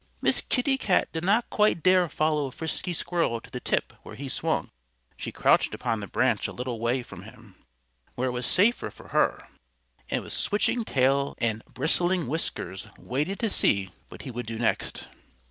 Miss Kitty Cat did not quite dare follow Frisky Squirrel to the tip where he swung. She crouched upon the branch a little way from him, where it was safer for her, and with switching tail and bristling whiskers waited to see what he would do next.